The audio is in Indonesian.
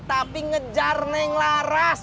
tapi ngejar neng laras